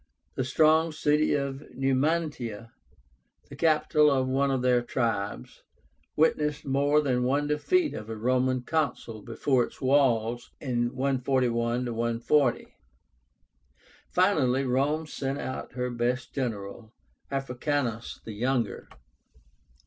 The strong city of NUMANTIA, the capital of one of their tribes, witnessed more than one defeat of a Roman Consul before its walls (141 140). Finally Rome sent out her best general, Africanus the younger.